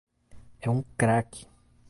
É um crack.